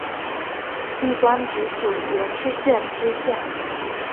历官直隶元氏县知县。